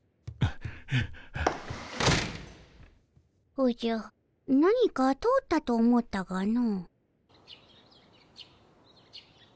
おじゃ何か通ったと思うたがの。